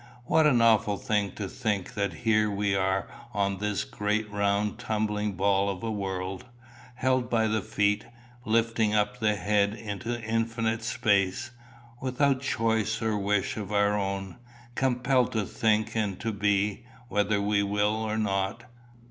What an awful thing to think that here we are on this great round tumbling ball of a world, held by the feet, and lifting up the head into infinite space without choice or wish of our own compelled to think and to be, whether we will or not!